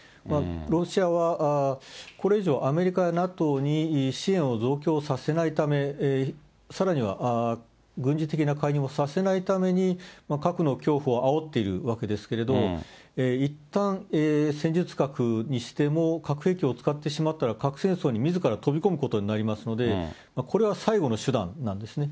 ロシアはこれ以上、アメリカやＮＡＴＯに支援を増強させないため、さらには軍事的な介入もさせないために核の恐怖をあおっているわけですけれども、いったん戦術核にしても核兵器を使ってしまったら核戦争にみずから飛び込むことになりますので、これは最後の手段なんですね。